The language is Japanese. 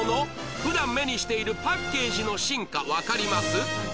普段目にしているパッケージの進化わかります？